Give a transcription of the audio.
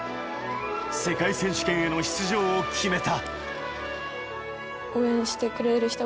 世界選手権への出場を決めた。